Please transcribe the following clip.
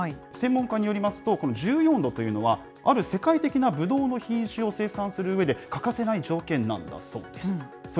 専門家によりますと、この１４度というのは、ある世界的なブドウの品種を生産するうえで、欠かせない条件なんだそうです。